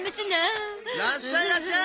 らっしゃいらっしゃい。